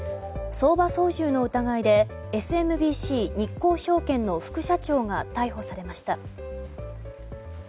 相場操縦の疑いでＳＭＢＣ日興証券の副社長が逮捕されました。